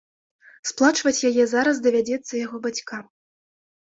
Сплачваць яе зараз давядзецца яго бацькам.